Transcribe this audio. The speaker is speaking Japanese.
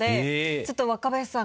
ちょっと若林さん